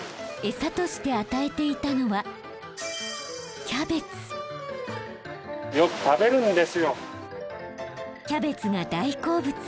餌として与えていたのはキャベツが大好物。